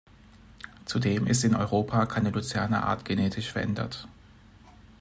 Zudem ist in Europa keine Luzerneart genetisch verändert.